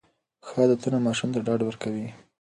ښه عادتونه ماشوم ته ډاډ ورکوي.